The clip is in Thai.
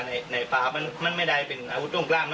มมันักศัลข์ไม่ได้เป็นอุ้งกล้าม